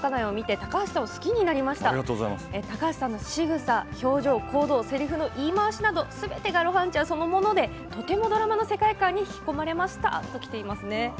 高橋さんのしぐさ、表情、行動、せりふの言い回しなどすべてが露伴ちゃんそのものでドラマの世界観に引き込まれましたときています。